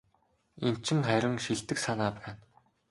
Энэ чинь харин шилдэг санаа байна.